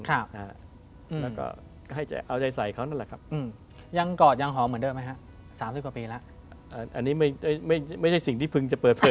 แล้วก็ให้เอาใจใส่เขานั่นแหละครับ